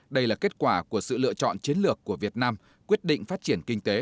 đây là kết quả của sự lựa chọn chiến lược của việt nam quyết định phát triển kinh tế